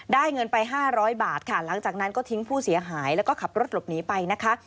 เงินไป๕๐๐บาทค่ะหลังจากนั้นก็ทิ้งผู้เสียหายแล้วก็ขับรถหลบหนีไปนะคะ